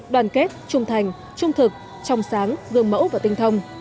đoàn kết trung thành trung thực trong sáng gương mẫu và tinh thông